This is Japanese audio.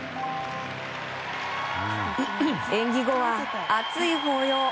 演技後は、熱い抱擁。